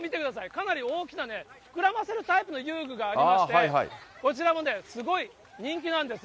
かなり大きな、膨らませるタイプの遊具がありまして、こちらもね、すごい人気なんです。